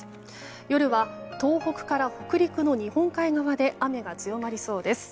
夜は東北から北陸の日本海側で雨が強まりそうです。